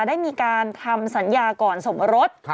ได้มีการทำสัญญาก่อนสมรส